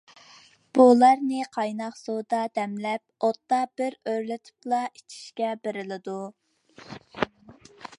بۇلارنى قايناق سۇدا دەملەپ، ئوتتا بىر ئۆرلىتىپلا ئىچىشكە بېرىلىدۇ.